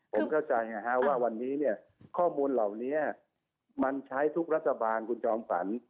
ผมเข้าใจว่าวันนี้เนี่ยข้อมูลเหล่านี้มันใช้ทุกรัฐบาลคุณจอมฝัน